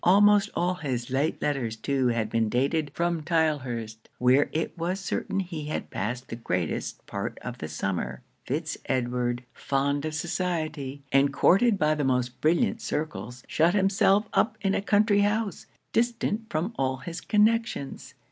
Almost all his late letters too had been dated from Tylehurst, where it was certain he had passed the greatest part of the summer. Fitz Edward, fond of society, and courted by the most brilliant circles, shut himself up in a country house, distant from all his connections.